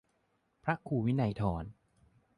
พระครูวินัยธร